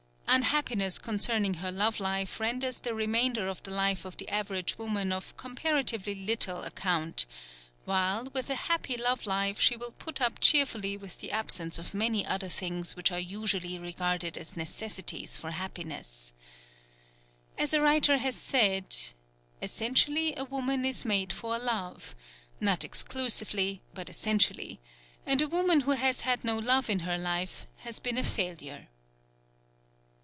Unhappiness concerning her love life renders the remainder of the life of the average woman of comparatively little account; while, with a happy love life she will put up cheerfully with the absence of many other things which are usually regarded as necessities for happiness. As a writer has said: "Essentially, a woman is made for love not exclusively, but essentially; and a woman who has had no love in her life has been a failure."